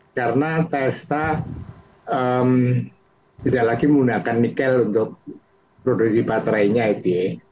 karena telsta tidak lagi menggunakan nikel untuk produksi baterainya gitu ya